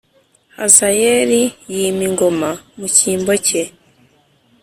Hazayelih yima ingoma mu cyimbo cye